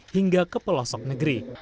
hingga ke pelosok negeri